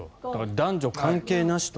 男女関係なしと。